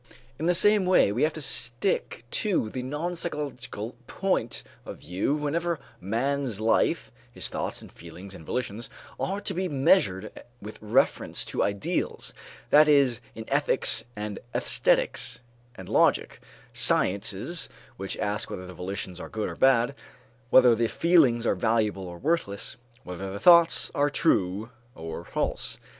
In the same way, we have to stick to the non psychological point of view whenever man's life, his thoughts and feelings and volitions, are to be measured with reference to ideals; that is in ethics and æsthetics and logic, sciences which ask whether the volitions are good or bad, whether the feelings are valuable or worthless, whether the thoughts are true or false.